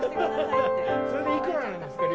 それでいくらなんですか？